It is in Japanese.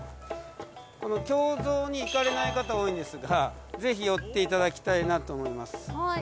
この経蔵に行かれない方多いんですがぜひ寄っていただきたいなと思います。